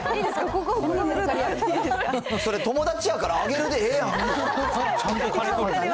ここ、このルーそれ、友達やから、あげるでええやん。